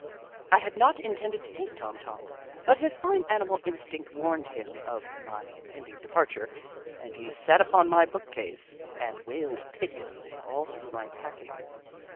I had not intended to take Tom Tom, but his fine animal instinct warned him of my im pending departure, and he sat upon my book case and wailed piteously all through my packing.